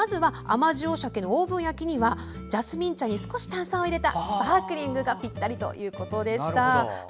「甘塩しゃけのオーブン焼き」にジャスミン茶に炭酸を入れたスパークリングがぴったりということでした。